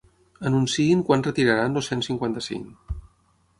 Anunciïn quan retiraran el cent cinquanta-cinc.